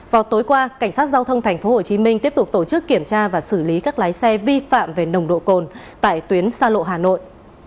vào tối qua cảnh sát giao thông tp hcm tiếp tục tổ chức kiểm tra và xử lý các lái xe vi phạm về nồng độ cồn tại tuyến xa lộ hà nội